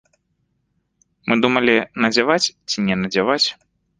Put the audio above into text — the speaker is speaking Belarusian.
Мы думалі, надзяваць ці не надзяваць.